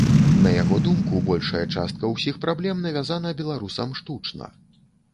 На яго думку, большая частка ўсіх праблем навязана беларусам штучна.